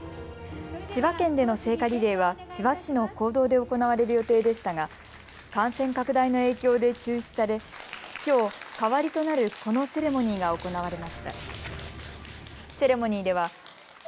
千葉県での聖火リレーは千葉市の公道で行われる予定でしたが感染拡大の影響で中止されきょう代わりとなるこのセレモニーが行われました。